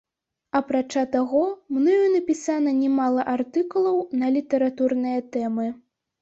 Апрача таго, мною напісана не мала артыкулаў на літаратурныя тэмы.